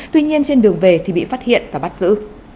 tuy nhiên trên đường về thì bị phát hiện và bắt giữ